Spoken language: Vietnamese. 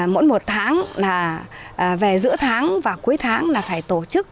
mỗi một tháng là về giữa tháng và cuối tháng là phải tổ chức